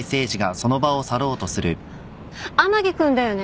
天樹君だよね？